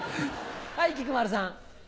はい菊丸さん。